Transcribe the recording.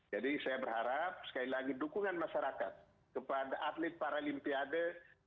jadi saya berharap sekali lagi dukungan masyarakat kepada atlet para limpiade